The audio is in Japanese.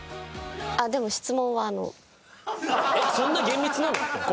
そんな厳密なの？